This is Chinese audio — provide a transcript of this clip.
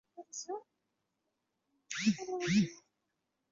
美亚生于澳洲悉尼。